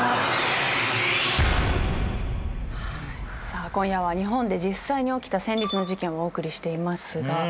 さあ今夜は日本で実際に起きた戦慄の事件をお送りしていますが。